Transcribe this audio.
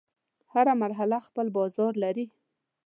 هره محله خپل بازار لري.